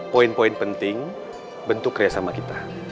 poin poin penting bentuk kerjasama kita